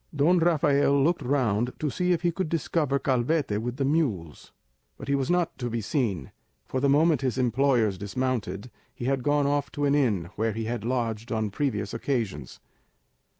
Don Rafael looked round to see if he could discover Calvete with the mules; but he was not to be seen, for the moment his employers dismounted, he had gone off to an inn where he had lodged on previous occasions.